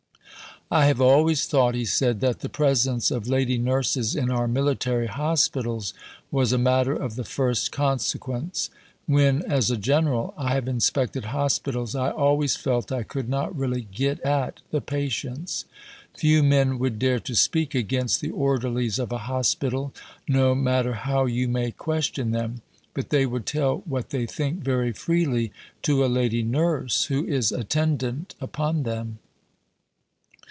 "I have always thought," he said, "that the presence of lady nurses in our military hospitals was a matter of the first consequence. When, as a General, I have inspected hospitals, I always felt I could not really 'get at' the patients; few men would dare to speak against the orderlies of a hospital, no matter how you may question them, but they would tell what they think very freely to a lady nurse who is attendant upon them.